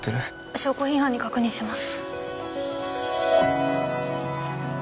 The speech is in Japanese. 証拠品班に確認します